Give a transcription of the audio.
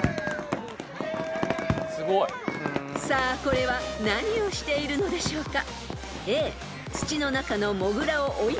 ［さあこれは何をしているのでしょうか？］